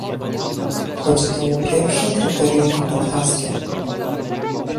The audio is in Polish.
Chodzi tu o pierwsze kryterium kopenhaskie